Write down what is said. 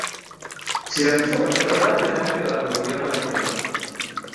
Siracusa prosperó rápidamente bajo el gobierno de Gelón.